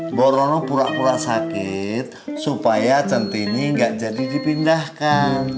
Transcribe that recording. ibu rono pura pura sakit supaya centini nggak jadi dipindahkan